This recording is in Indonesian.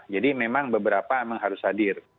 jadi memang beberapa memang harus hadir